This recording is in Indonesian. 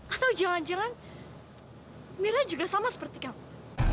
atau jangan jangan mila juga sama seperti kamu